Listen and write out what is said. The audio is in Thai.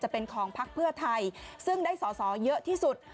เป็นของพักเพื่อไทยซึ่งได้สอสอเยอะที่สุด